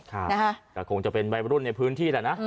แต่คงจะเป็นวัยรุ่นในพื้นที่แหละนะ